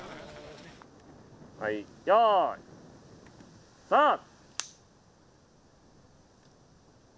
はいよいスタート！